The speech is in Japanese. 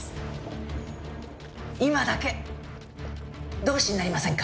今だけ同志になりませんか？